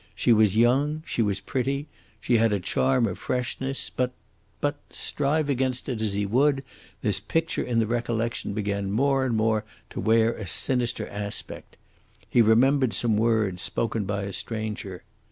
She was young, she was pretty, she had a charm of freshness, but but strive against it as he would, this picture in the recollection began more and more to wear a sinister aspect. He remembered some words spoken by a stranger.